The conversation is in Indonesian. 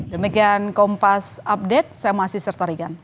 demikian kompas update saya masih sertarigan